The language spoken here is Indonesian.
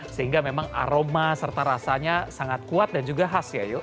sehingga memang aroma serta rasanya sangat kuat dan juga khas ya yuk